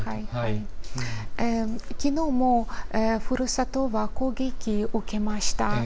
きのうも、ふるさとが攻撃を受けました。